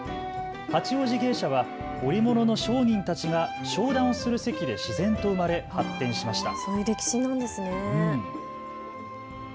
八王子芸者は織物の商人たちが商談をする席で自然と生まれ発展しました。